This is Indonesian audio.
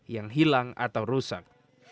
yang hilang atau rusak